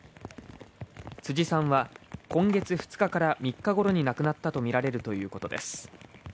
辻さんは今月２日から３日頃に亡くなったとみられるということです。